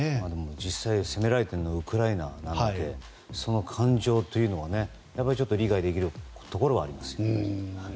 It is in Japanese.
実際に攻められているのはウクライナなのでその感情というのは理解できるところはあります。